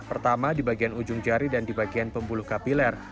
pertama di bagian ujung jari dan di bagian pembuluh kapiler